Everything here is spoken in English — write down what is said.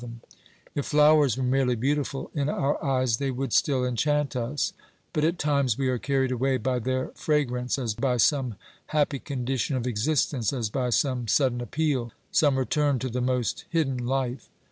OBERMANN 401 If flowers were merely beautiful in our eyes, they would still enchant us ; but at times we are carried away by their fragrance, as by some happy condition of existence, as by some sudden appeal, some return to the most hidden life.